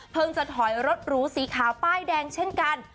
เพิ่งจะถอยรถรู้สีขาวป้ายแดงเช่นกัน